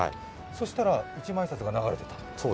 そしたら、一万円札が流れていたと。